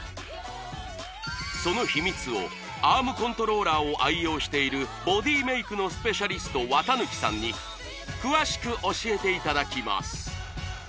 その秘密をアームコントローラーを愛用しているボディメイクのスペシャリスト綿貫さんに詳しく教えていただきます